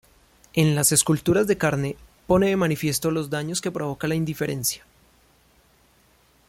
En "Las esculturas de carne" pone de manifiesto los daños que provoca la indiferencia.